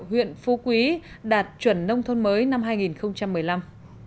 huyện phu quý đạt chuẩn nông thôn mới năm hai nghìn một mươi năm